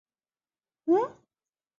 曷为先言王而后言正月？